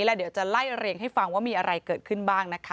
แล้วเดี๋ยวจะไล่เรียงให้ฟังว่ามีอะไรเกิดขึ้นบ้างนะคะ